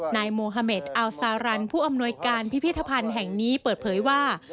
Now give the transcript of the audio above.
นายโมฮาเมดอัลซารันผู้อำนวยการพิพิธภัณฑ์แห่งนี้เปิดเผยว่า